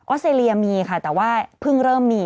สเตรเลียมีค่ะแต่ว่าเพิ่งเริ่มมี